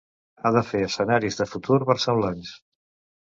Ha de fer escenaris de futur versemblants.